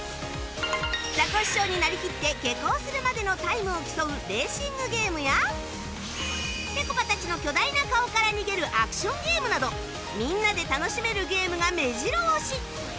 ザコシショウになりきって下校するまでのタイムを競うレーシングゲームやぺこぱたちの巨大な顔から逃げるアクションゲームなどみんなで楽しめるゲームが目白押し！